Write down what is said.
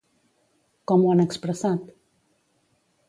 Com ho han expressat?